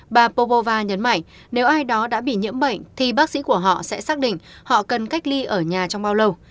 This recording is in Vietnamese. bà poboova nhấn mạnh nếu ai đó đã bị nhiễm bệnh thì bác sĩ của họ sẽ xác định họ cần cách ly ở nhà trong bao lâu